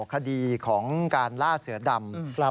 คดีของการล่าเสือดำ